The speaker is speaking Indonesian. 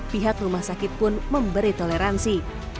pihak rumah sakit pun memberi toleransi